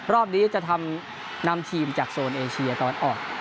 รอบนี้จะทำนำทีมจากโซนเอเชียตะวันออก